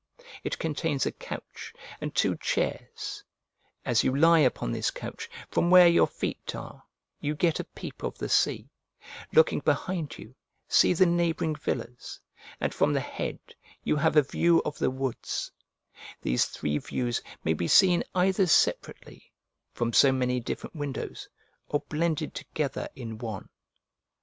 It contains a couch and two chairs: as you lie upon this couch, from where your feet are you get a peep of the sea; looking behind you see the neighbouring villas, and from the head you have a view of the woods: these three views may be seen either separately, from so many different windows, or blended together in one.